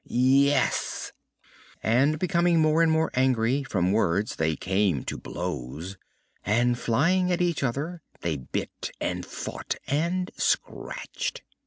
"Yes!" And, becoming more and more angry, from words they came to blows, and, flying at each other, they bit and fought, and scratched.